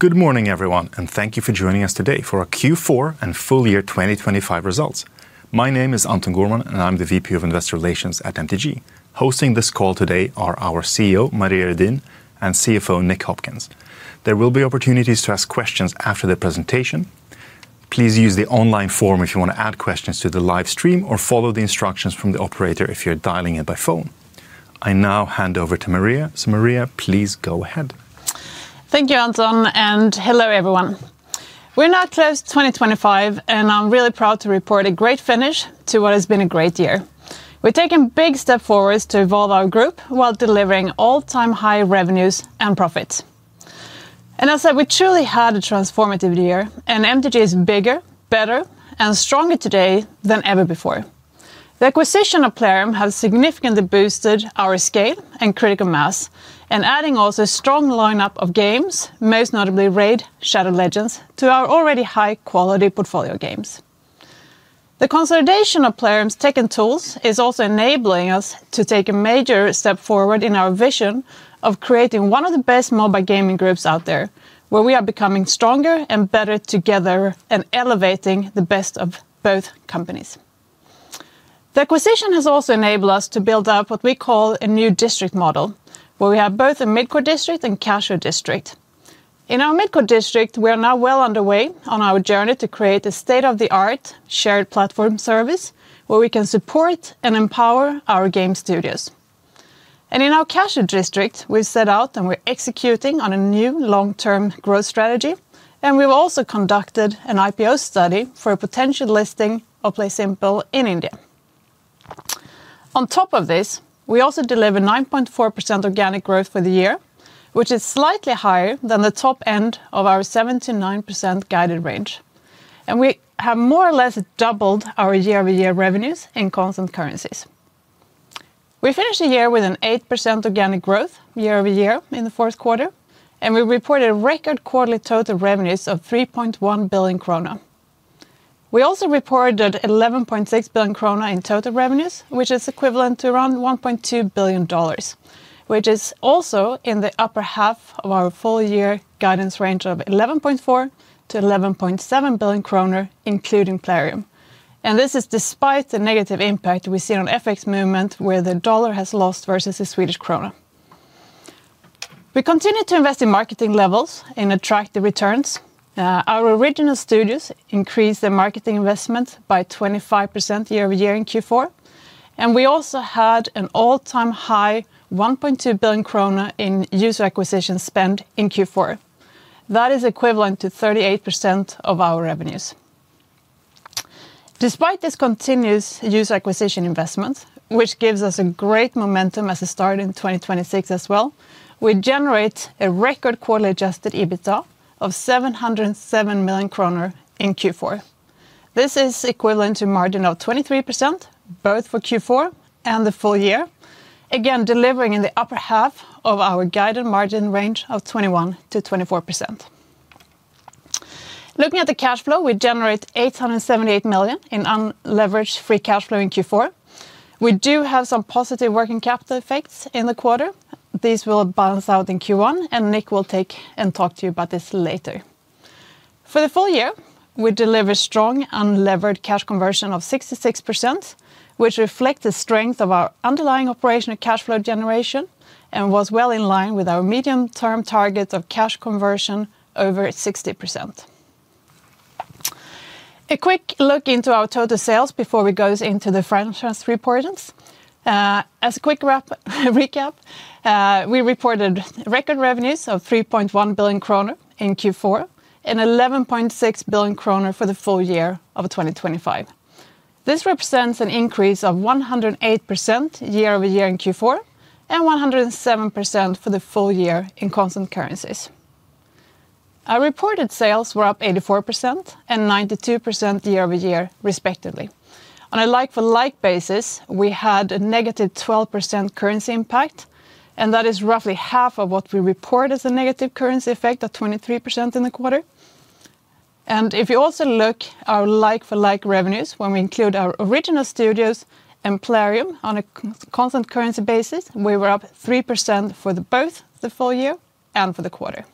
Good morning, everyone, and thank you for joining us today for our Q4 and full-year 2025 results. My name is Anton Gourman, and I'm the VP of Investor Relations at MTG. Hosting this call today are our CEO, Maria Redin, and CFO, Nick Hopkins. There will be opportunities to ask questions after the presentation. Please use the online form if you want to add questions to the live stream, or follow the instructions from the operator if you're dialing in by phone. I now hand over to Maria. Maria, please go ahead. Thank you, Anton, and hello, everyone. We're now closing 2025, and I'm really proud to report a great finish to what has been a great year. We've taken a big step forward to evolve our group while delivering all-time high revenues and profits. And I'd say we truly had a transformative year, and MTG is bigger, better, and stronger today than ever before. The acquisition of Plarium has significantly boosted our scale and critical mass, and adding also a strong lineup of games, most notably RAID: Shadow Legends, to our already high-quality portfolio games. The consolidation of Plarium's tech and tools is also enabling us to take a major step forward in our vision of creating one of the best mobile gaming groups out there, where we are becoming stronger and better together and elevating the best of both companies. The acquisition has also enabled us to build up what we call a new district model, where we have both a mid-core district and casual district. In our mid-core district, we are now well underway on our journey to create a state-of-the-art shared platform service, where we can support and empower our game studios. In our casual district, we've set out, and we're executing on a new long-term growth strategy, and we've also conducted an IPO study for a potential listing of PlaySimple in India. On top of this, we also delivered 9.4% organic growth for the year, which is slightly higher than the top end of our 7%-9% guided range, and we have more or less doubled our year-over-year revenues in constant currencies. We finished the year with an 8% organic growth year-over-year in the fourth quarter, and we reported record quarterly total revenues of 3.1 billion krona. We also reported 11.6 billion krona in total revenues, which is equivalent to around $1.2 billion, which is also in the upper half of our full year guidance range of 11.4 billion-11.7 billion kronor, including Plarium, and this is despite the negative impact we've seen on FX movement, where the dollar has lost versus the Swedish krona. We continue to invest in marketing levels and attractive returns. Our original studios increased their marketing investment by 25% year-over-year in Q4, and we also had an all-time high 1.2 billion kronor in user acquisition spend in Q4. That is equivalent to 38% of our revenues. Despite this continuous user acquisition investment, which gives us a great momentum as a start in 2026 as well, we generate a record quarter Adjusted EBITDA of 707 million kronor in Q4. This is equivalent to a margin of 23%, both for Q4 and the full year, again, delivering in the upper half of our guided margin range of 21%-24%. Looking at the cash flow, we generate 878 million in unlevered free cash flow in Q4. We do have some positive working capital effects in the quarter. These will balance out in Q1, and Nick will take and talk to you about this later. For the full year, we deliver strong unlevered cash conversion of 66%, which reflect the strength of our underlying operational cash flow generation and was well in line with our medium-term target of cash conversion over 60%. A quick look into our total sales before we go into the franchise reports. As a quick wrap, recap, we reported record revenues of 3.1 billion kronor in Q4 and 11.6 billion kronor for the full year of 2025. This represents an increase of 108% year-over-year in Q4, and 107% for the full year in constant currencies. Our reported sales were up 84% and 92% year-over-year, respectively. On a like-for-like basis, we had a negative 12% currency impact, and that is roughly half of what we report as a negative currency effect of 23% in the quarter. And if you also look at our like-for-like revenues, when we include our original studios and Plarium on a constant currency basis, we were up 3% for both the full year and for the quarter.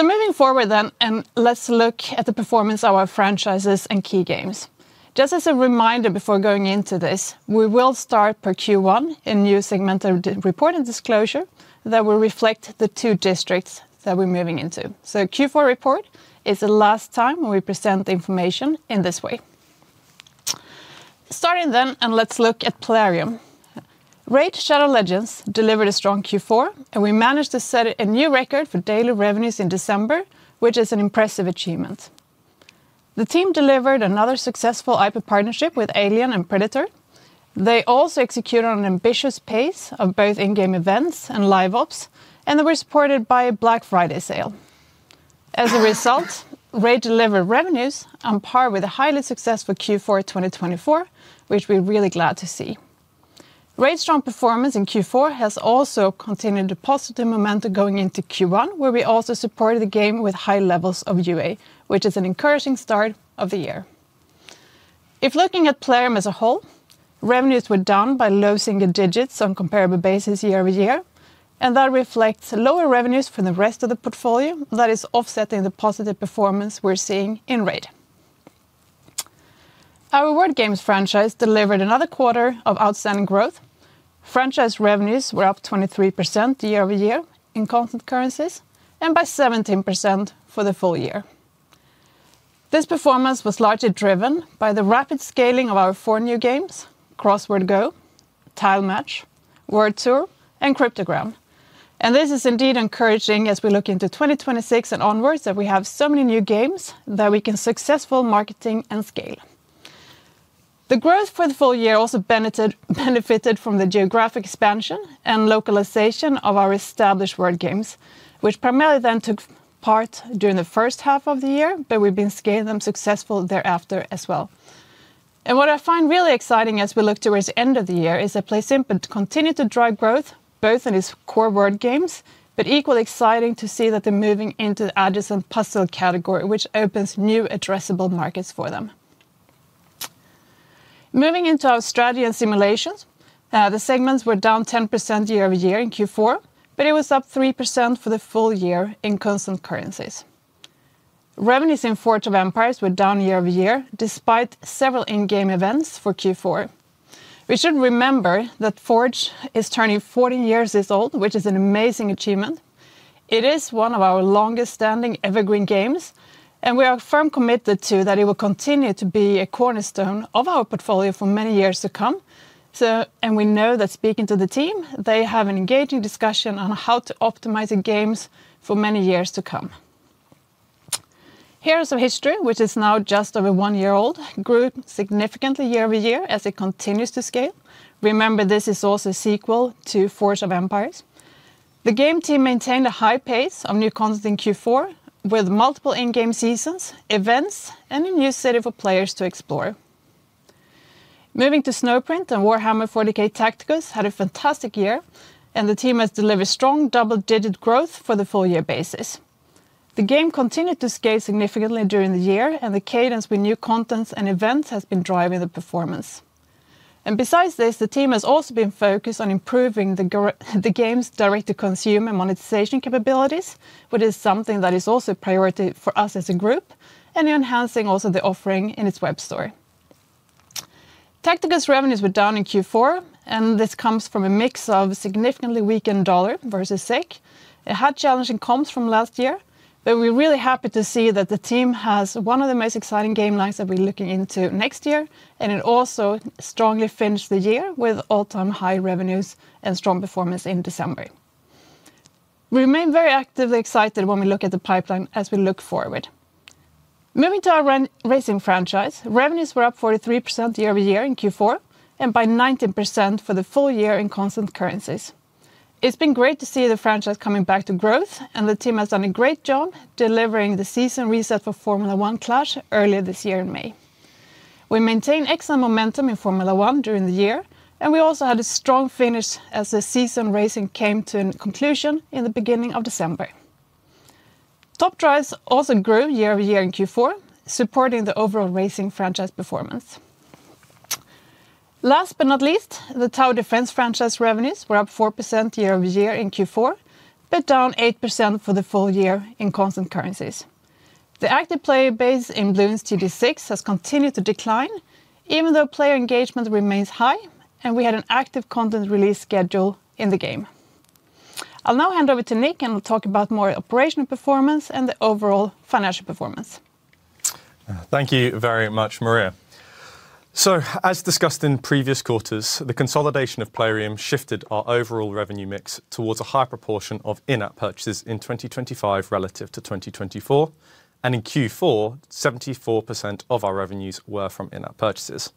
Moving forward, let's look at the performance of our franchises and key games. Just as a reminder, before going into this, we will start for Q1 a new segmented reporting disclosure that will reflect the two districts that we're moving into. The Q4 report is the last time we present the information in this way. Starting then, let's look at Plarium. RAID: Shadow Legends delivered a strong Q4, and we managed to set a new record for daily revenues in December, which is an impressive achievement. The team delivered another successful IP partnership with Alien and Predator. They also executed on an ambitious pace of both in-game events and live ops, and they were supported by a Black Friday sale. As a result, RAID delivered revenues on par with the highly successful Q4 2024, which we're really glad to see. RAID's strong performance in Q4 has also continued a positive momentum going into Q1, where we also supported the game with high levels of UA, which is an encouraging start of the year. If looking at PlaySimple as a whole, revenues were down by low single digits on comparable basis year-over-year, and that reflects lower revenues from the rest of the portfolio that is offsetting the positive performance we're seeing in RAID. Our Word Games franchise delivered another quarter of outstanding growth. Franchise revenues were up 23% year-over-year in constant currencies, and by 17% for the full year. This performance was largely driven by the rapid scaling of our four new games: Crossword Go, Tile Match, Word Tour, and Cryptogram. This is indeed encouraging as we look into 2026 and onwards, that we have so many new games that we can successful marketing and scale. The growth for the full year also benefited from the geographic expansion and localization of our established Word Games, which primarily then took part during the first half of the year, but we've been scaling them successful thereafter as well. What I find really exciting as we look towards the end of the year is that PlaySimple continued to drive growth, both in its core Word Games, but equally exciting to see that they're moving into the adjacent puzzle category, which opens new addressable markets for them. Moving into our strategy and simulations, the segments were down 10% year-over-year in Q4, but it was up 3% for the full year in constant currencies. Revenues in Forge of Empires were down year-over-year, despite several in-game events for Q4. We should remember that Forge is turning 14 years old, which is an amazing achievement. It is one of our longest standing evergreen games, and we are firmly committed that it will continue to be a cornerstone of our portfolio for many years to come. We know that speaking to the team, they have an engaging discussion on how to optimize the games for many years to come. Heroes of History, which is now just over one year old, grew significantly year-over-year as it continues to scale. Remember, this is also a sequel to Forge of Empires. The game team maintained a high pace of new content in Q4, with multiple in-game seasons, events, and a new city for players to explore. Moving to Snowprint and Warhammer 40,000: Tacticus had a fantastic year, and the team has delivered strong double-digit growth for the full-year basis. The game continued to scale significantly during the year, and the cadence with new contents and events has been driving the performance. And besides this, the team has also been focused on improving the game's direct to consumer monetization capabilities, which is something that is also a priority for us as a group, and enhancing also the offering in its web store. Tacticus revenues were down in Q4, and this comes from a mix of significantly weakened U.S. dollar versus SEK. It had challenging comps from last year, but we're really happy to see that the team has one of the most exciting game lines that we're looking into next year, and it also strongly finished the year with all-time high revenues and strong performance in December. We remain very actively excited when we look at the pipeline as we look forward. Moving to our Racing franchise, revenues were up 43% year-over-year in Q4, and by 19% for the full year in constant currencies. It's been great to see the franchise coming back to growth, and the team has done a great job delivering the season reset for F1 Clash earlier this year in May. We maintained excellent momentum in F1 during the year, and we also had a strong finish as the season racing came to a conclusion in the beginning of December. Top Drives also grew year-over-year in Q4, supporting the overall Racing franchise performance. Last but not least, the Tower Defense franchise revenues were up 4% year-over-year in Q4, but down 8% for the full year in constant currencies. The active player base in Bloons TD 6 has continued to decline, even though player engagement remains high, and we had an active content release schedule in the game. I'll now hand over to Nick, and he'll talk about more operational performance and the overall financial performance. Thank you very much, Maria. As discussed in previous quarters, the consolidation of Plarium shifted our overall revenue mix towards a higher proportion of in-app purchases in 2025 relative to 2024, and in Q4, 74% of our revenues were from in-app purchases.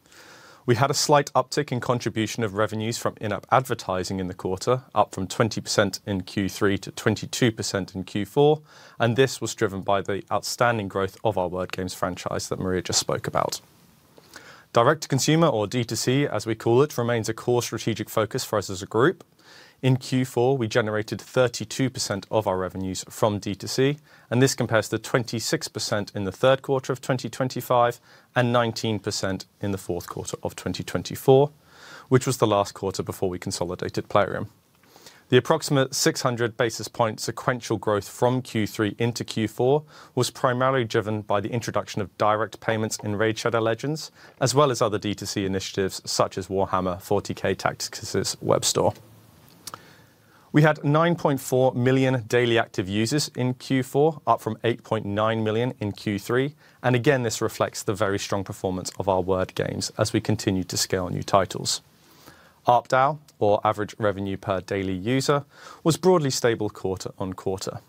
We had a slight uptick in contribution of revenues from in-app advertising in the quarter, up from 20% in Q3 to 22% in Q4, and this was driven by the outstanding growth of our Word Games franchise that Maria just spoke about. Direct-to-consumer, or D2C, as we call it, remains a core strategic focus for us as a group. In Q4, we generated 32% of our revenues from D2C, and this compares to 26% in the third quarter of 2025, and 19% in the fourth quarter of 2024, which was the last quarter before we consolidated Plarium. The approximate 600 basis point sequential growth from Q3 into Q4 was primarily driven by the introduction of direct payments in RAID: Shadow Legends, as well as other D2C initiatives, such as Warhammer 40,000: Tacticus' web store. We had 9.4 million daily active users in Q4, up from 8.9 million in Q3, and again, this reflects the very strong performance of our Word Games as we continue to scale new titles. ARPDAU, or average revenue per daily user, was broadly stable quarter on quarter.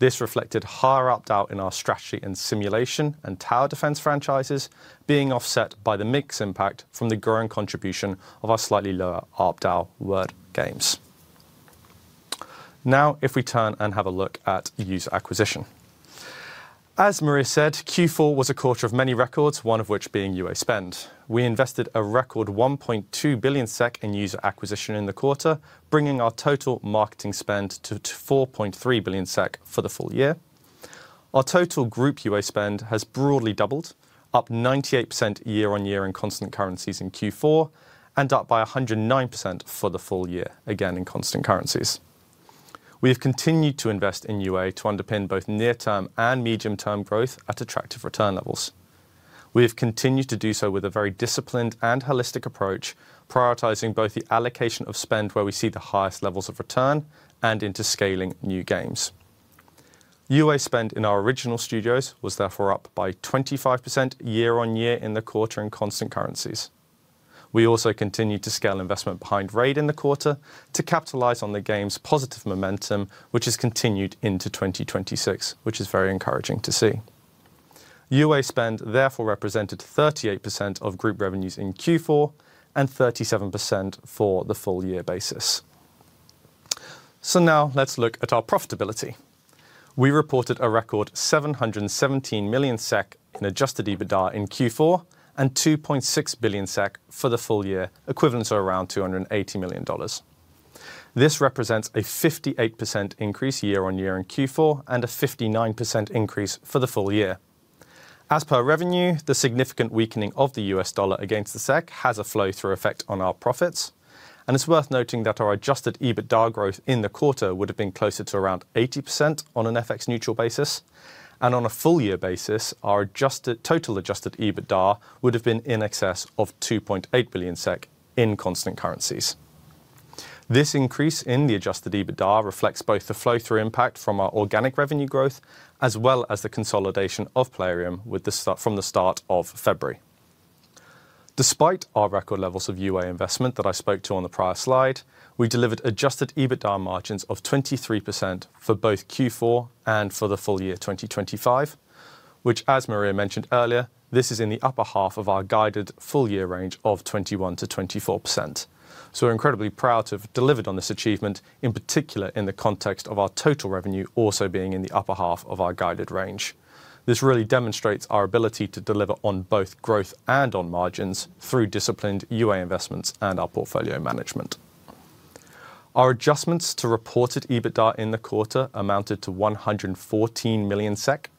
This reflected higher ARPDAU in our strategy and simulation and Tower Defense franchises being offset by the mix impact from the growing contribution of our slightly lower ARPDAU Word Games. Now, if we turn and have a look at user acquisition. As Maria said, Q4 was a quarter of many records, one of which being UA spend. We invested a record 1.2 billion SEK in user acquisition in the quarter, bringing our total marketing spend to 4.3 billion SEK for the full year. Our total group UA spend has broadly doubled, up 98% year-on-year in constant currencies in Q4, and up by 109% for the full year, again, in constant currencies. We have continued to invest in UA to underpin both near-term and medium-term growth at attractive return levels. We have continued to do so with a very disciplined and holistic approach, prioritizing both the allocation of spend where we see the highest levels of return and into scaling new games. UA spend in our original studios was therefore up by 25% year-on-year in the quarter in constant currencies. We also continued to scale investment behind RAID in the quarter to capitalize on the game's positive momentum, which has continued into 2026, which is very encouraging to see. UA spend therefore represented 38% of group revenues in Q4 and 37% for the full year basis. So now let's look at our profitability. We reported a record 717 million SEK in Adjusted EBITDA in Q4 and 2.6 billion SEK for the full year, equivalent to around $280 million. This represents a 58% increase year-over-year in Q4 and a 59% increase for the full year. As per revenue, the significant weakening of the U.S. dollar against the SEK has a flow-through effect on our profits, and it's worth noting that our Adjusted EBITDA growth in the quarter would have been closer to around 80% on an FX neutral basis, and on a full year basis, our total Adjusted EBITDA would have been in excess of 2.8 billion SEK in constant currencies. This increase in the Adjusted EBITDA reflects both the flow-through impact from our organic revenue growth, as well as the consolidation of Plarium from the start of February. Despite our record levels of UA investment that I spoke to on the prior slide, we delivered Adjusted EBITDA margins of 23% for both Q4 and for the full year 2025, which, as Maria mentioned earlier, this is in the upper half of our guided full-year range of 21%-24%. So we're incredibly proud to have delivered on this achievement, in particular, in the context of our total revenue also being in the upper half of our guided range. This really demonstrates our ability to deliver on both growth and on margins through disciplined UA investments and our portfolio management. Our adjustments to reported EBITDA in the quarter amounted to 114 million SEK.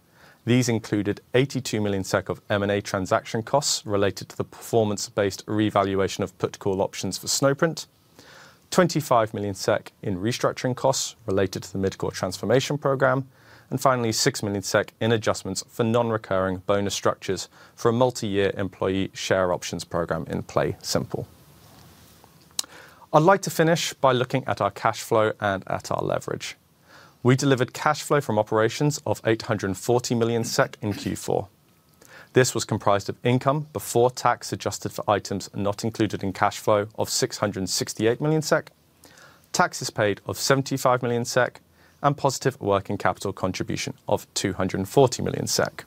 These included 82 million SEK of M&A transaction costs related to the performance-based revaluation of put call options for Snowprint, 25 million SEK in restructuring costs related to the mid-core transformation program, and finally, 6 million SEK in adjustments for non-recurring bonus structures for a multi-year employee share options program in PlaySimple. I'd like to finish by looking at our cash flow and at our leverage. We delivered cash flow from operations of 840 million SEK in Q4. This was comprised of income before tax, adjusted for items not included in cash flow of 668 million SEK, taxes paid of 75 million SEK, and positive working capital contribution of 240 million SEK.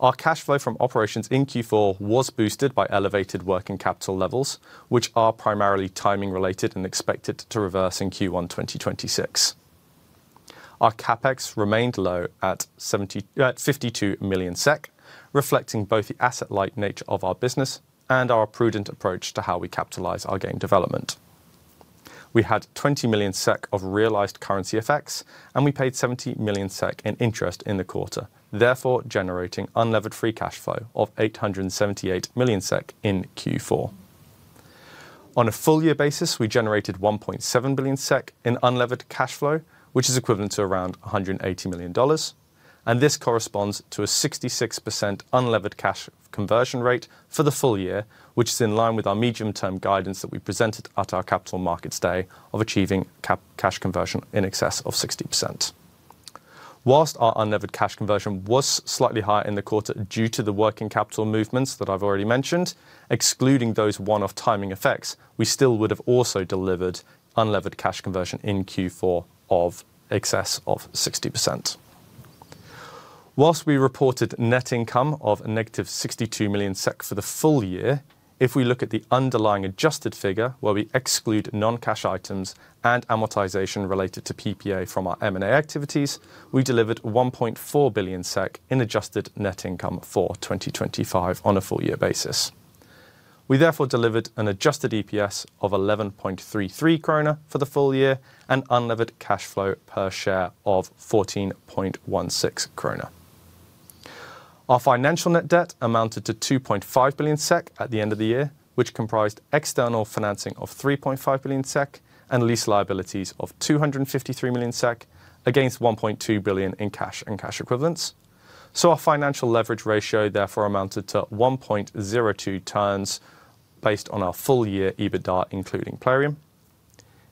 Our cash flow from operations in Q4 was boosted by elevated working capital levels, which are primarily timing related and expected to reverse in Q1 2026. Our CapEx remained low at 52 million SEK, reflecting both the asset light nature of our business and our prudent approach to how we capitalize our game development. We had 20 million SEK of realized currency effects, and we paid 70 million SEK in interest in the quarter, therefore generating unlevered free cash flow of 878 million SEK in Q4. On a full year basis, we generated 1.7 billion SEK in unlevered cash flow, which is equivalent to around $180 million, and this corresponds to a 66% unlevered cash conversion rate for the full year, which is in line with our medium-term guidance that we presented at our Capital Markets Day of achieving cash conversion in excess of 60%. While our unlevered cash conversion was slightly higher in the quarter due to the working capital movements that I've already mentioned, excluding those one-off timing effects, we still would have also delivered unlevered cash conversion in Q4 of excess of 60%. While we reported net income of -62 million SEK for the full year, if we look at the underlying adjusted figure, where we exclude non-cash items and amortization related to PPA from our M&A activities, we delivered 1.4 billion SEK in adjusted net income for 2025 on a full year basis. We therefore delivered an Adjusted EPS of 11.33 krona for the full year and unlevered cash flow per share of 14.16 krona. Our financial net debt amounted to 2.5 billion SEK at the end of the year, which comprised external financing of 3.5 billion SEK and lease liabilities of 253 million SEK against 1.2 billion in cash and cash equivalents. Our financial leverage ratio therefore amounted to 1.02x, based on our full-year EBITDA, including Plarium.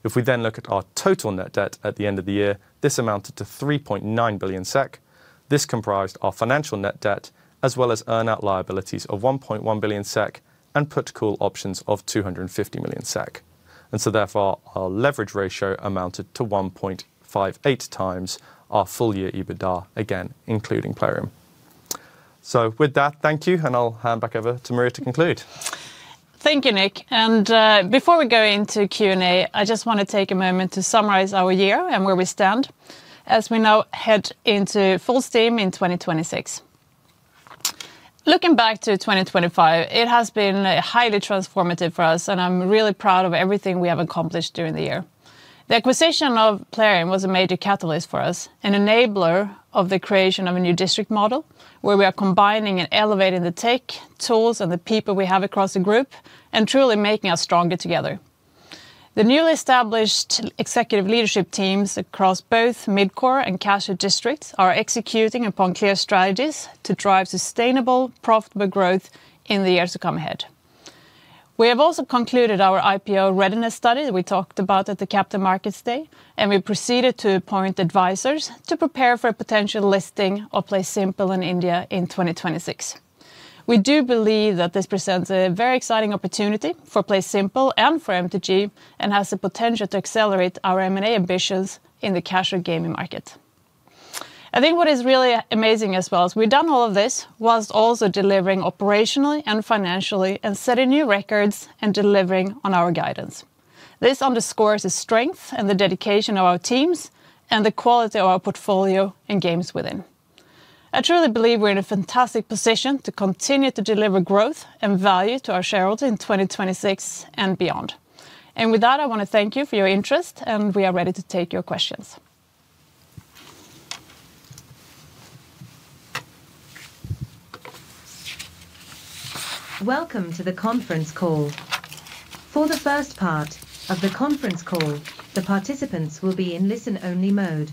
If we then look at our total net debt at the end of the year, this amounted to 3.9 billion SEK. This comprised our financial net debt, as well as earn out liabilities of 1.1 billion SEK and put/call options of 250 million SEK. So therefore, our leverage ratio amounted to 1.58x our full-year EBITDA, again, including Plarium. With that, thank you, and I'll hand back over to Maria to conclude. Thank you, Nick. And, before we go into Q&A, I just want to take a moment to summarize our year and where we stand as we now head into full steam in 2026... Looking back to 2025, it has been highly transformative for us, and I'm really proud of everything we have accomplished during the year. The acquisition of Plarium was a major catalyst for us, an enabler of the creation of a new district model, where we are combining and elevating the tech, tools, and the people we have across the group, and truly making us stronger together. The newly established executive leadership teams across both Midcore and Casual districts are executing upon clear strategies to drive sustainable, profitable growth in the years to come ahead. We have also concluded our IPO readiness study that we talked about at the Capital Markets Day, and we proceeded to appoint advisors to prepare for a potential listing of PlaySimple in India in 2026. We do believe that this presents a very exciting opportunity for PlaySimple and for MTG, and has the potential to accelerate our M&A ambitions in the casual gaming market. I think what is really amazing as well, is we've done all of this whilst also delivering operationally and financially, and setting new records and delivering on our guidance. This underscores the strength and the dedication of our teams, and the quality of our portfolio and games within. I truly believe we're in a fantastic position to continue to deliver growth and value to our shareholders in 2026 and beyond. With that, I want to thank you for your interest, and we are ready to take your questions. Welcome to the conference call. For the first part of the conference call, the participants will be in listen-only mode.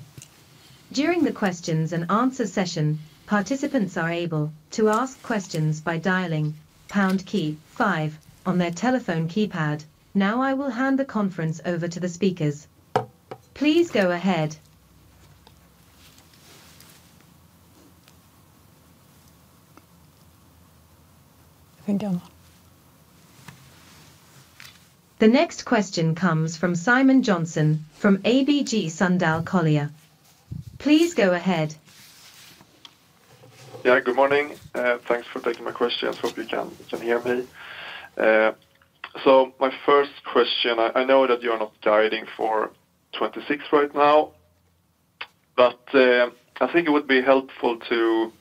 During the questions and answer session, participants are able to ask questions by dialing pound key five on their telephone keypad. Now I will hand the conference over to the speakers. Please go ahead. I think I'm- The next question comes from Simon Jönsson, from ABG Sundal Collier. Please go ahead. Yeah, good morning. Thanks for taking my question. I hope you can hear me. So my first question, I know that you're not guiding for 2026 right now, but I think it would be helpful to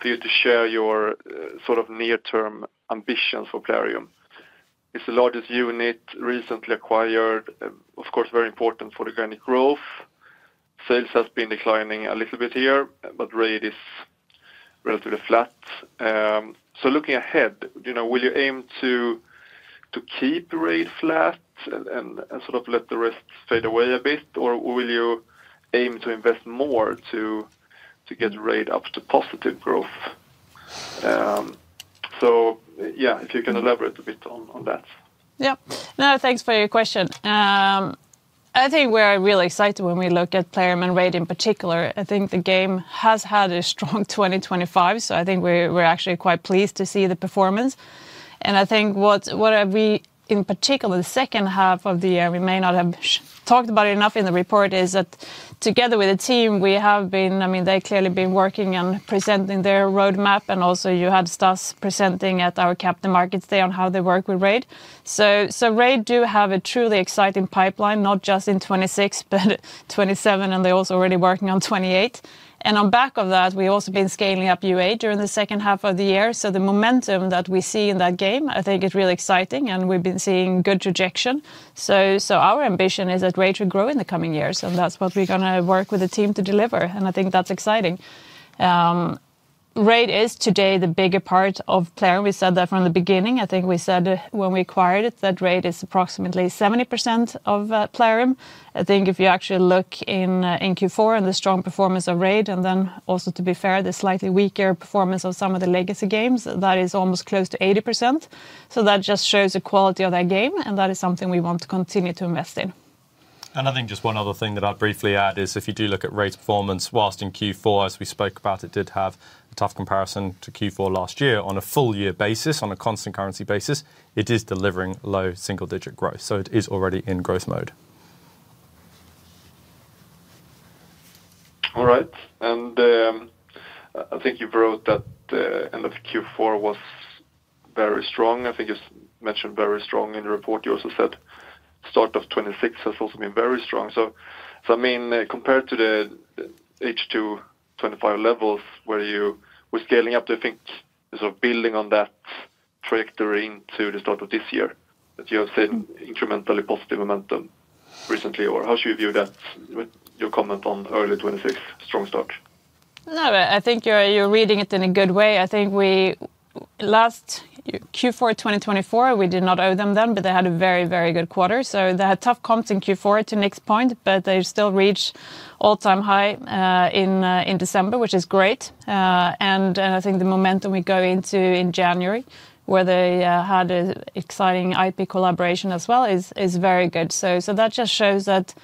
for you to share your sort of near-term ambitions for Plarium. It's the largest unit, recently acquired, of course, very important for organic growth. Sales has been declining a little bit here, but RAID is relatively flat. So looking ahead, you know, will you aim to keep RAID flat and sort of let the rest fade away a bit, or will you aim to invest more to get RAID up to positive growth? So yeah, if you can elaborate a bit on that. Yeah. No, thanks for your question. I think we're really excited when we look at Plarium and RAID in particular. I think the game has had a strong 2025, so I think we're actually quite pleased to see the performance. And I think... In particular, the second half of the year, we may not have talked about it enough in the report, is that together with the team, we have been, I mean, they've clearly been working on presenting their roadmap, and also you had Stas presenting at our Capital Markets Day on how they work with RAID. So, so RAID do have a truly exciting pipeline, not just in 2026, but 2027, and they're also already working on 2028. On the back of that, we've also been scaling up UA during the second half of the year, so the momentum that we see in that game, I think, is really exciting, and we've been seeing good reception. So, our ambition is that RAID will grow in the coming years, and that's what we're gonna work with the team to deliver, and I think that's exciting. RAID is today the bigger part of Plarium. We said that from the beginning. I think we said it when we acquired it, that RAID is approximately 70% of Plarium. I think if you actually look in, in Q4 and the strong performance of RAID, and then also, to be fair, the slightly weaker performance of some of the legacy games, that is almost close to 80%, so that just shows the quality of that game, and that is something we want to continue to invest in. I think just one other thing that I'd briefly add is, if you do look at RAID's performance, while in Q4, as we spoke about, it did have a tough comparison to Q4 last year. On a full year basis, on a constant currency basis, it is delivering low single-digit growth, so it is already in growth mode. All right. And, I think you wrote that the end of Q4 was very strong. I think it's mentioned very strong in the report. You also said, start of 2026 has also been very strong. So, I mean, compared to the H2 2025 levels, where you were scaling up, do you think sort of building on that trajectory into the start of this year, that you have seen incrementally positive momentum recently, or how should we view that with your comment on early 2026 strong start? No, I think you're reading it in a good way. I think we last Q4 2024, we did not owe them then, but they had a very, very good quarter. So they had tough comps in Q4, to Nick's point, but they still reached all-time high in December, which is great. And I think the momentum we go into in January, where they had an exciting IP collaboration as well, is very good. So that just shows that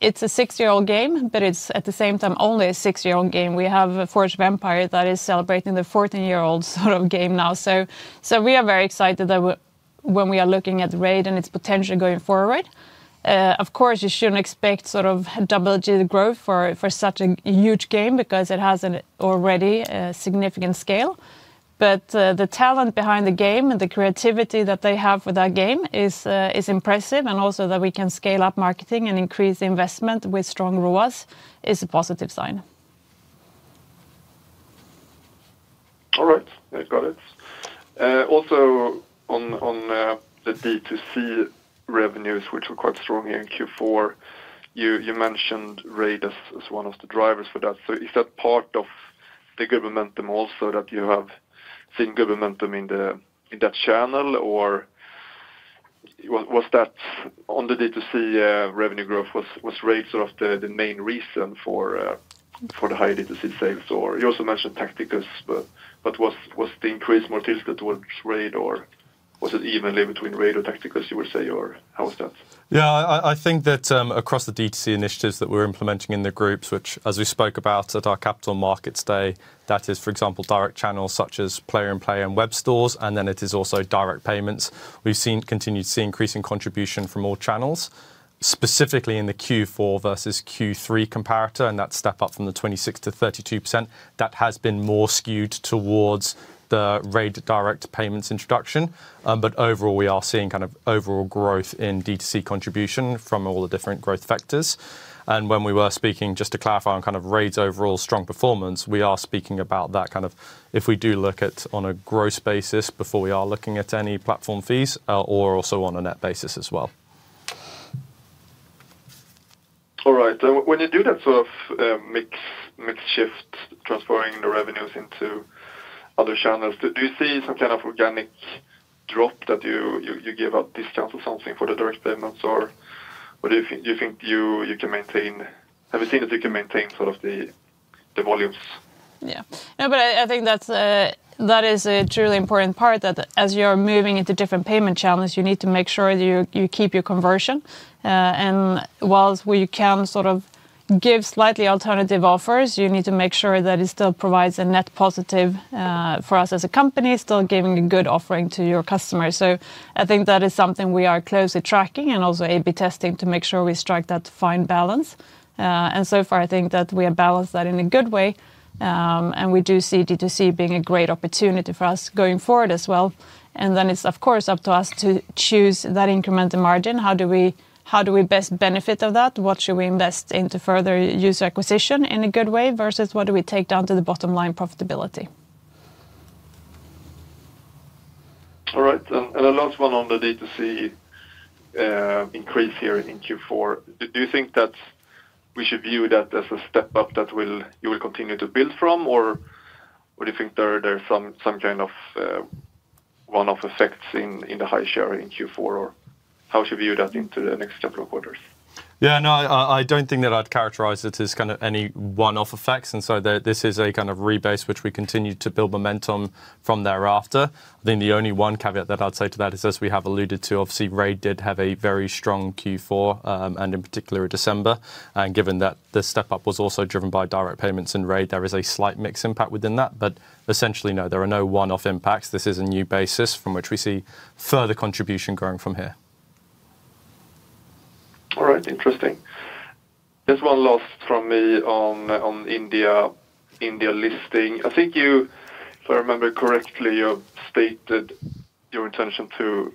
it's a 6-year-old game, but it's, at the same time, only a six-year-old game. We have Forge of Empires that is celebrating the 14th-year-old sort of game now. So we are very excited that when we are looking at RAID and its potential going forward. Of course, you shouldn't expect sort of double-digit growth for such a huge game because it has an already significant scale. But, the talent behind the game and the creativity that they have with that game is impressive, and also that we can scale up marketing and increase investment with strong ROAS is a positive sign.... All right, I got it. Also on the D2C revenues, which were quite strong in Q4, you mentioned RAID as one of the drivers for that. So is that part of the good momentum also, that you have seen good momentum in that channel? Or what was that on the D2C revenue growth, was RAID sort of the main reason for the high D2C sales? Or you also mentioned Tacticus, but was the increase more tilted towards RAID, or was it evenly between RAID or Tacticus, you would say, or how was that? Yeah, I think that across the D2C initiatives that we're implementing in the groups, which as we spoke about at our capital markets day, that is, for example, direct channels such as Plarium Play and web stores, and then it is also direct payments. We've continued to see increasing contribution from all channels, specifically in the Q4 versus Q3 comparator, and that step up from the 26%-32%, that has been more skewed towards the RAID direct payments introduction. But overall, we are seeing kind of overall growth in D2C contribution from all the different growth vectors. When we were speaking, just to clarify, on kind of RAID's overall strong performance, we are speaking about that kind of if we do look at on a gross basis before we are looking at any platform fees, or also on a net basis as well. All right. When you do that sort of mix shift, transferring the revenues into other channels, do you see some kind of organic drop that you give out discounts or something for the direct payments, or do you think you can maintain? Have you seen that you can maintain sort of the volumes? Yeah. No, but I think that's that is a truly important part, that as you're moving into different payment channels, you need to make sure you keep your conversion. And while we can sort of give slightly alternative offers, you need to make sure that it still provides a net positive for us as a company, still giving a good offering to your customers. So I think that is something we are closely tracking and also A/B testing to make sure we strike that fine balance. And so far, I think that we have balanced that in a good way, and we do see D2C being a great opportunity for us going forward as well. And then it's, of course, up to us to choose that incremental margin. How do we, how do we best benefit of that? What should we invest in to further user acquisition in a good way, versus what do we take down to the bottom line profitability? All right. And the last one on the D2C increase here in Q4. Do you think that we should view that as a step up that you will continue to build from, or would you think there are some kind of one-off effects in the high share in Q4, or how should we view that into the next couple of quarters? Yeah, no, I don't think that I'd characterize it as kind of any one-off effects, and so this is a kind of rebase, which we continue to build momentum from thereafter. Then the only one caveat that I'd say to that is, as we have alluded to, obviously, RAID did have a very strong Q4, and in particular, December. And given that the step-up was also driven by direct payments in RAID, there is a slight mix impact within that. But essentially, no, there are no one-off impacts. This is a new basis from which we see further contribution growing from here. All right. Interesting. Just one last from me on India listing. I think if I remember correctly, you stated your intention to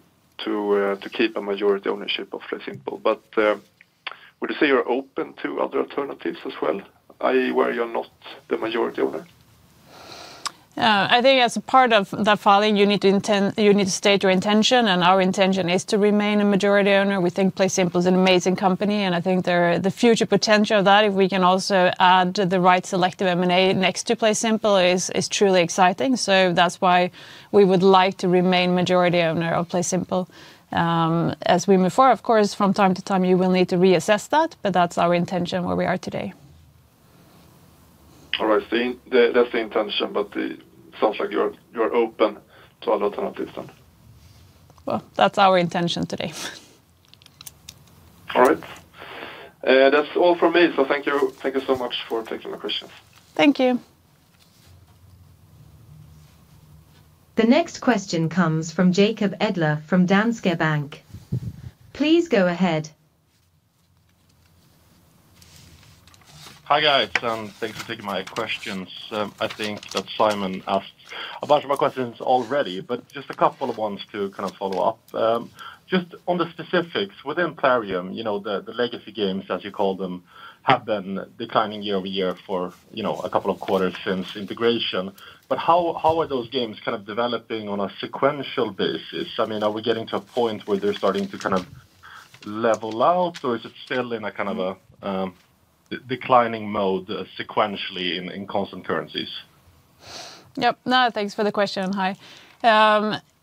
keep a majority ownership of PlaySimple. But would you say you're open to other alternatives as well, i.e., where you're not the majority owner? I think as a part of the filing, you need to state your intention, and our intention is to remain a majority owner. We think PlaySimple is an amazing company, and I think the, the future potential of that, if we can also add the right selective M&A next to PlaySimple, is, is truly exciting. So that's why we would like to remain majority owner of PlaySimple. As we move forward, of course, from time to time, you will need to reassess that, but that's our intention where we are today. All right. That's the intention, but it sounds like you're open to other alternatives then. Well, that's our intention today. All right. That's all from me. So thank you. Thank you so much for taking my questions. Thank you. The next question comes from Jacob Edler from Danske Bank. Please go ahead. Hi, guys, thanks for taking my questions. I think that Simon asked a bunch of my questions already, but just a couple of ones to kind of follow up. Just on the specifics, within Plarium, you know, the legacy games, as you call them, have been declining year-over-year for, you know, a couple of quarters since integration. But how are those games kind of developing on a sequential basis? I mean, are we getting to a point where they're starting to kind of level out, or is it still in a kind of declining mode sequentially in constant currencies? Yep. No, thanks for the question. Hi.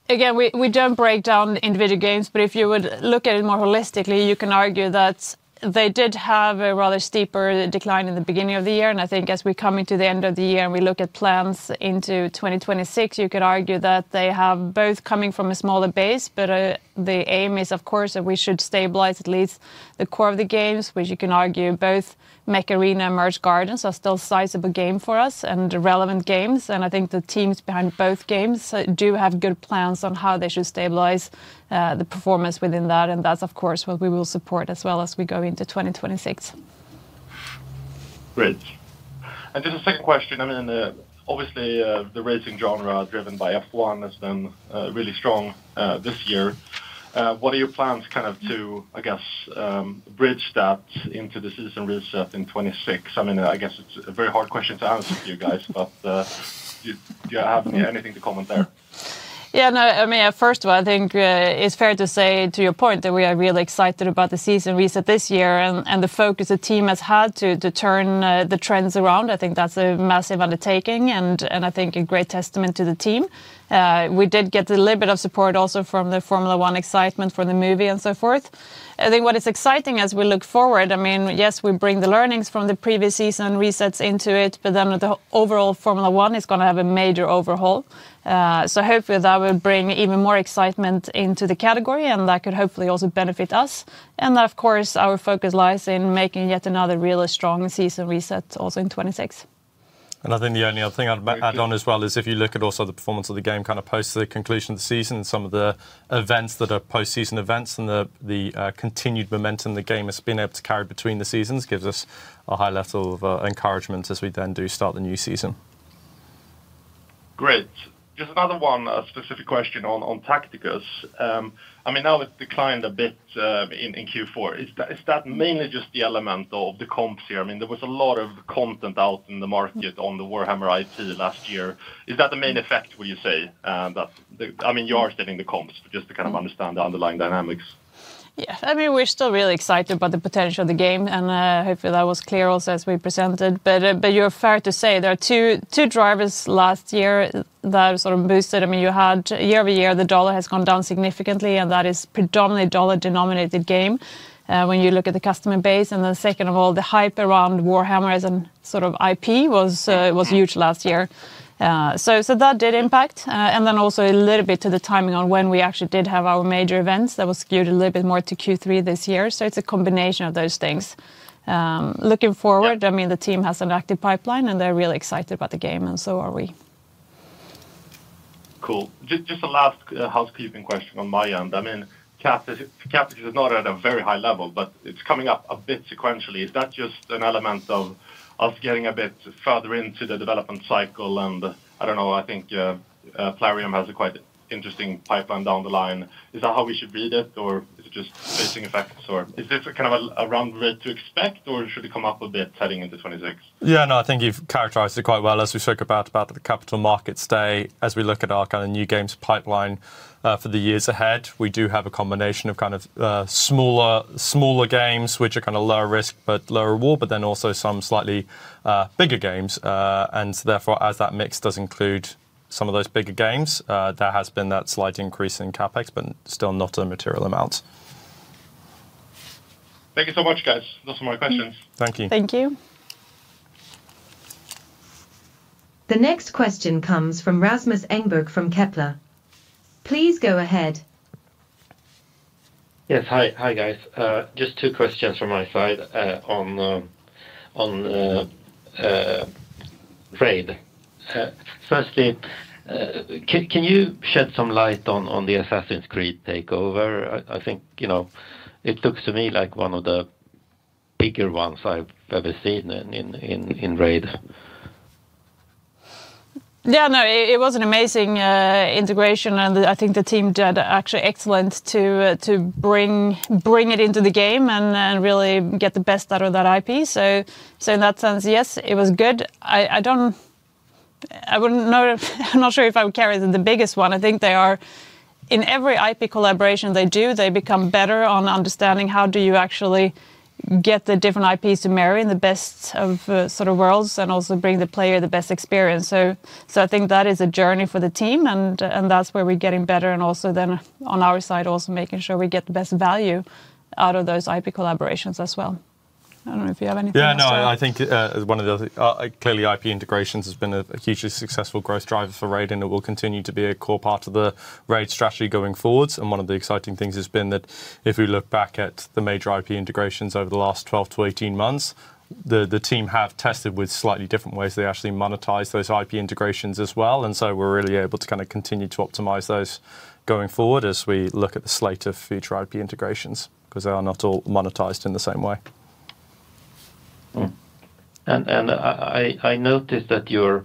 Again, we, we don't break down individual games, but if you would look at it more holistically, you can argue that they did have a rather steeper decline in the beginning of the year. And I think as we come into the end of the year, and we look at plans into 2026, you could argue that they have both coming from a smaller base. But, the aim is, of course, that we should stabilize at least the core of the games, which you can argue both Mech Arena and Merge Gardens are still sizable game for us and relevant games. And I think the teams behind both games do have good plans on how they should stabilize, the performance within that, and that's, of course, what we will support as well as we go into 2026. Great. Just a second question, I mean, obviously, the racing genre driven by F1 has been really strong this year. What are your plans kind of to, I guess, bridge that into the season reset in 2026? I mean, I guess it's a very hard question to answer for you guys, but, do you have anything to comment there? Yeah, no, I mean, first of all, I think it's fair to say, to your point, that we are really excited about the season reset this year, and the focus the team has had to turn the trends around. I think that's a massive undertaking, and I think a great testament to the team. We did get a little bit of support also from the F1 excitement from the movie and so forth. I think what is exciting as we look forward, I mean, yes, we bring the learnings from the previous season resets into it, but then the overall F1 is gonna have a major overhaul. So hopefully, that will bring even more excitement into the category, and that could hopefully also benefit us. Of course, our focus lies in making yet another really strong season reset also in 2026. I think the only other thing I'd add on as well is if you look at also the performance of the game, kind of post the conclusion of the season and some of the events that are post-season events, and the continued momentum the game has been able to carry between the seasons, gives us a high level of encouragement as we then do start the new season. Great. Just another one, a specific question on Tacticus. I mean, now it's declined a bit in Q4. Is that mainly just the element of the comps here? I mean, there was a lot of content out in the market on the Warhammer IP last year. Is that the main effect, would you say? I mean, you are stating the comps, just to kind of understand the underlying dynamics. Yeah. I mean, we're still really excited about the potential of the game, and hopefully, that was clear also as we presented. But you're fair to say there are two drivers last year that sort of boosted. I mean, you had... Year-over-year, the U.S. dollar has gone down significantly, and that is predominantly U.S. dollar-denominated game when you look at the customer base. And then, second of all, the hype around Warhammer as a sort of IP was huge last year. So that did impact, and then also a little bit to the timing on when we actually did have our major events, that was skewed a little bit more to Q3 this year. So it's a combination of those things. Looking forward, I mean, the team has an active pipeline, and they're really excited about the game, and so are we. Cool. Just a last housekeeping question on my end. I mean, CapEx is not at a very high level, but it's coming up a bit sequentially. Is that just an element of getting a bit further into the development cycle? And, I don't know, I think Plarium has a quite interesting pipeline down the line. Is that how we should read it, or is it just spacing effects, or is this a kind of a run rate to expect, or should it come up a bit heading into 2026? Yeah, no, I think you've characterized it quite well. As we spoke about, about the capital markets day, as we look at our kind of new games pipeline, for the years ahead, we do have a combination of kind of, smaller, smaller games, which are kind of lower risk, but lower reward, but then also some slightly, bigger games. And so therefore, as that mix does include some of those bigger games, there has been that slight increase in CapEx, but still not a material amount. Thank you so much, guys. Those are my questions. Thank you. Thank you. The next question comes from Rasmus Engberg, from Kepler. Please go ahead. Yes. Hi, guys. Just two questions from my side, on the RAID. Firstly, can you shed some light on the Assassin's Creed takeover? I think, you know, it looks to me like one of the bigger ones I've ever seen in RAID. Yeah, no, it was an amazing integration, and I think the team did actually excellent to bring it into the game and really get the best out of that IP. So in that sense, yes, it was good. I don't—I wouldn't know I'm not sure if I would carry it as the biggest one. I think they are in every IP collaboration they do, they become better on understanding how do you actually get the different IPs to marry in the best of sort of worlds and also bring the player the best experience. So I think that is a journey for the team, and that's where we're getting better, and also then on our side, also making sure we get the best value out of those IP collaborations as well. I don't know if you have anything to add. Yeah, no, I think, as one of the, clearly, IP integrations has been a hugely successful growth driver for RAID, and it will continue to be a core part of the RAID strategy going forward. And one of the exciting things has been that if we look back at the major IP integrations over the last 12-18 months, the team have tested with slightly different ways they actually monetize those IP integrations as well, and so we're really able to kind of continue to optimize those going forward as we look at the slate of future IP integrations, because they are not all monetized in the same way. Mm-hmm. I noticed that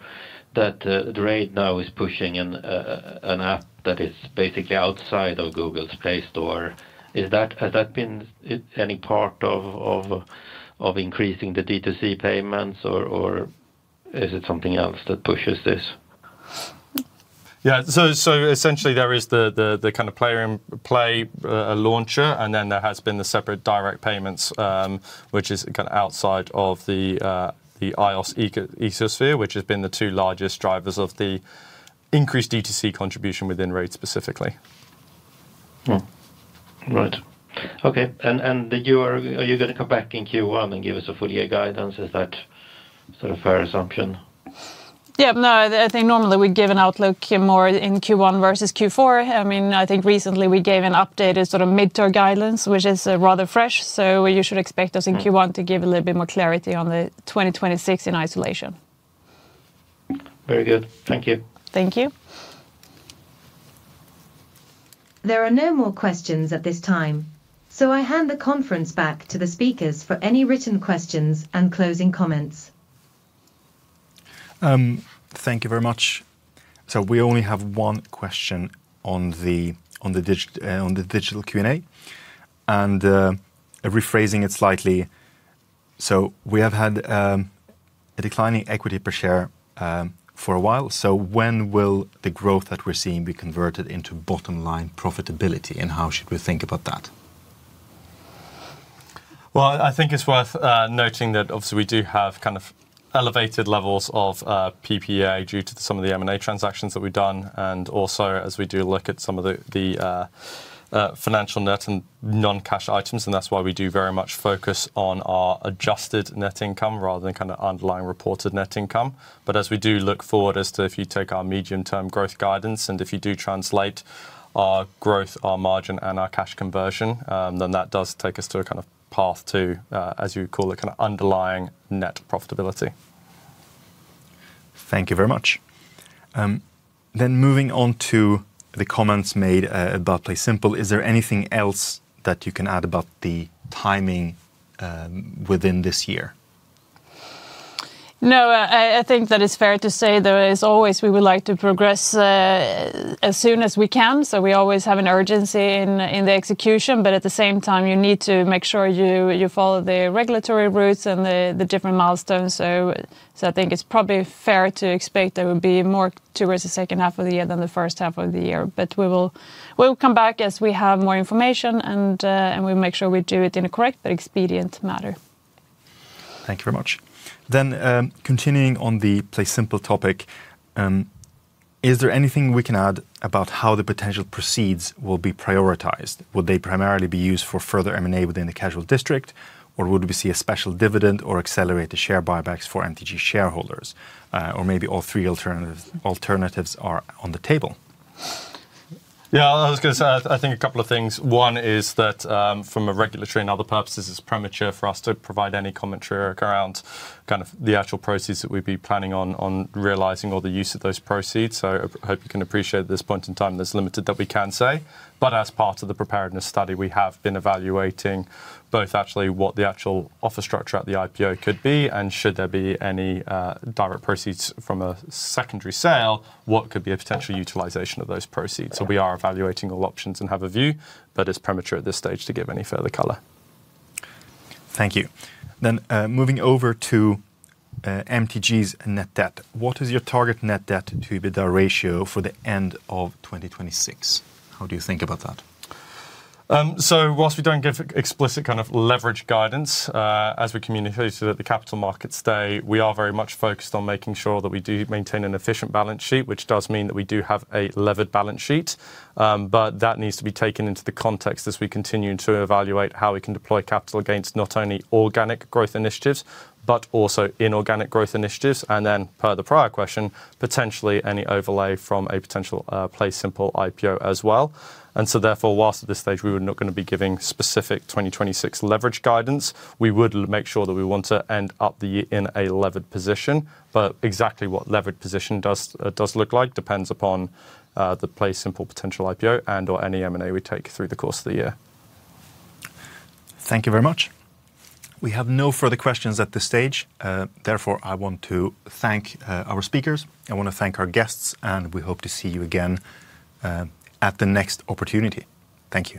RAID now is pushing an app that is basically outside of Google's Play Store. Is that—has that been any part of increasing the D2C payments, or is it something else that pushes this? Yeah, so essentially, there is the kind of Plarium Play launcher, and then there has been the separate direct payments, which is kind of outside of the iOS ecosystem, which has been the two largest drivers of the increased D2C contribution within RAID, specifically. Mm-hmm. Right. Okay, and are you gonna come back in Q1 and give us a full year guidance? Is that sort of fair assumption? Yeah, no, I think normally we give an outlook more in Q1 versus Q4. I mean, I think recently we gave an updated sort of mid-term guidance, which is rather fresh, so you should expect us in Q1 to give a little bit more clarity on the 2026 in isolation. Very good. Thank you. Thank you. There are no more questions at this time, so I hand the conference back to the speakers for any written questions and closing comments. ... Thank you very much. So we only have one question on the, on the digital Q&A, and, rephrasing it slightly: So we have had a declining equity per share for a while, so when will the growth that we're seeing be converted into bottom line profitability, and how should we think about that? Well, I think it's worth noting that obviously we do have kind of elevated levels of PPA due to some of the M&A transactions that we've done, and also as we do look at some of the financial net and non-cash items, and that's why we do very much focus on our adjusted net income rather than kind of underlying reported net income. But as we do look forward as to if you take our medium-term growth guidance, and if you do translate our growth, our margin, and our cash conversion, then that does take us to a kind of path to, as you call it, kind of underlying net profitability. Thank you very much. Moving on to the comments made about PlaySimple, is there anything else that you can add about the timing within this year? No, I think that it's fair to say, though, as always, we would like to progress as soon as we can, so we always have an urgency in the execution. But at the same time, you need to make sure you follow the regulatory routes and the different milestones. So I think it's probably fair to expect there will be more towards the second half of the year than the first half of the year. But we will come back as we have more information, and we'll make sure we do it in a correct but expedient manner. Thank you very much. Then, continuing on the PlaySimple topic, is there anything we can add about how the potential proceeds will be prioritized? Will they primarily be used for further M&A within the Casual District, or would we see a special dividend or accelerated share buybacks for MTG shareholders, or maybe all three alternatives are on the table? Yeah, I was going to say, I think a couple of things. One is that, from a regulatory and other purposes, it's premature for us to provide any commentary around kind of the actual proceeds that we'd be planning on, on realizing or the use of those proceeds, so I hope you can appreciate at this point in time there's limited that we can say. But as part of the preparedness study, we have been evaluating both actually what the actual offer structure at the IPO could be, and should there be any, direct proceeds from a secondary sale, what could be a potential utilization of those proceeds? So we are evaluating all options and have a view, but it's premature at this stage to give any further color. Thank you. Moving over to MTG's net debt, what is your target net debt to EBITDA ratio for the end of 2026? How do you think about that? So while we don't give explicit kind of leverage guidance, as we communicated at the capital markets day, we are very much focused on making sure that we do maintain an efficient balance sheet, which does mean that we do have a levered balance sheet. But that needs to be taken into the context as we continue to evaluate how we can deploy capital against not only organic growth initiatives, but also inorganic growth initiatives, and then, per the prior question, potentially any overlay from a potential, PlaySimple IPO as well. And so therefore, while at this stage we are not gonna be giving specific 2026 leverage guidance, we would make sure that we want to end up the year in a levered position. But exactly what levered position does look like depends upon the PlaySimple potential IPO and/or any M&A we take through the course of the year. Thank you very much. We have no further questions at this stage. Therefore, I want to thank our speakers, I want to thank our guests, and we hope to see you again at the next opportunity. Thank you.